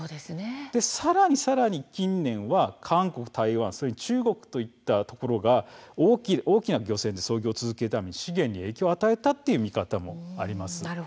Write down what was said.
さらにさらに近年は韓国や台湾、中国といったところの大型漁船が操業を続けたため資源に影響を与えたという見方もあります。